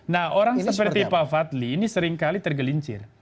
nah orang seperti pak fadli ini seringkali tergelincir